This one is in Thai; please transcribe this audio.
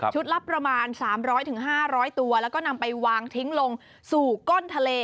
ละประมาณ๓๐๐๕๐๐ตัวแล้วก็นำไปวางทิ้งลงสู่ก้นทะเล